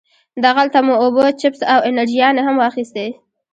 دغلته مو اوبه، چپس او انرژيانې هم واخيستې.